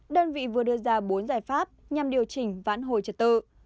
đơn vị vừa đưa ra bốn giải pháp nhằm điều chỉnh vãn hồi trật tự